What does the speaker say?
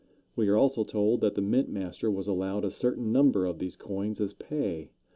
We are also told that the mint master was allowed a certain number of these coins as pay.